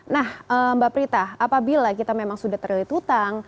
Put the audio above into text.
nah mbak prita apabila kita memang sudah terlilit hutang